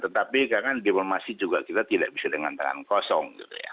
tetapi kan kan diplomasi juga kita tidak bisa dengan tangan kosong